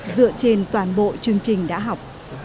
dựa trên toàn bộ chương trình đã học